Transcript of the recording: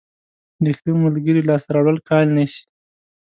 د ښه ملګري لاسته راوړل کال نیسي.